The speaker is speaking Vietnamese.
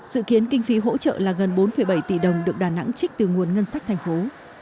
sự kiến kinh phí hỗ trợ là gần bốn bảy tỷ đồng được đà nẵng trích từ nguồn ngân sách thành phố